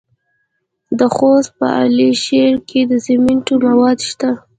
د خوست په علي شیر کې د سمنټو مواد شته.